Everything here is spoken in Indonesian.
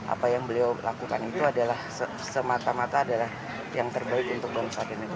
apa yang beliau lakukan itu adalah semata mata adalah yang terbaik untuk bangsa dan negara